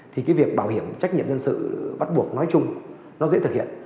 thì cái việc bảo hiểm trách nhiệm dân sự bắt buộc nói chung nó dễ thực hiện